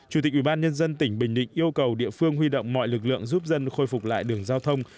chủ tịch ubnd tỉnh bình định yêu cầu địa phương huy động mọi lực lượng giúp dân khôi phục lại đường giao thông